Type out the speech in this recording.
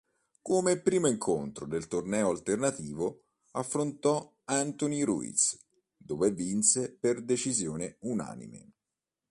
Come primo incontro del torneo alternativo, affrontò Anthony Ruiz dove vinse per decisione unanime.